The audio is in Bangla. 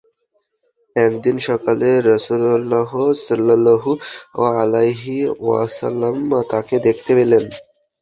একদিন সকালে রাসূলুল্লাহ সাল্লাল্লাহু আলাইহি ওয়াসাল্লাম তাঁকে দেখতে এলেন।